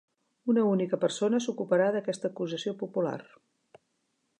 Una única persona s'ocuparà d'aquesta acusació popular.